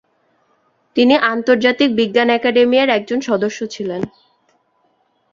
তিনি "আন্তর্জাতিক বিজ্ঞান একাডেমী" এর একজন সদস্য ছিলেন।